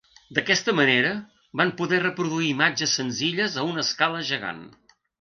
D’aquesta manera, van poder reproduir imatges senzilles a una escala gegant.